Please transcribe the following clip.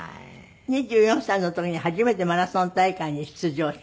２４歳の時に初めてマラソン大会に出場した。